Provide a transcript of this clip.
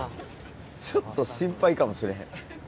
ちょっと心配かもしれへん。